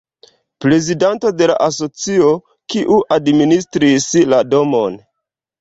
Prezidanto de la asocio, kiu administris la domon.